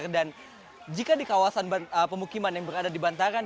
dan jika di kawasan pemukiman yang berada di bantaran